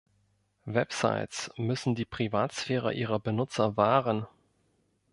Websites müssen die Privatsphäre ihrer Benutzer wahren.